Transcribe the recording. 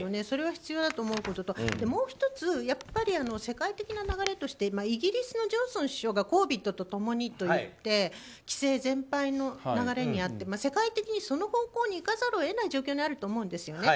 それは必要だと思うことともう１つ世界的な流れとしてイギリスのジョンソン首相がＣＯＶＩＤと共にと言って規制全廃の流れになって世界的にその流れに行かなければいけない状況にあると思うんです。